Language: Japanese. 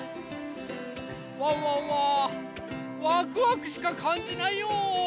ワンワンはワクワクしかかんじないよ。